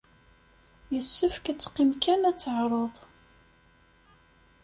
Yessefk ad teqqim kan ad tɛerreḍ.